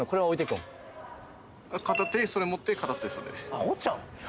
アホちゃうん？